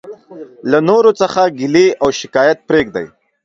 له نورو څخه ګيلي او او شکايت پريږدٸ.